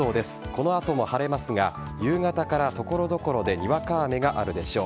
この後も晴れますが夕方から所々でにわか雨があるでしょう。